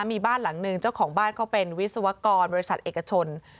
มีบ้านหลังหนึ่งเจ้าของบ้านเขาเป็นวิศวกรบริษัทเอกชน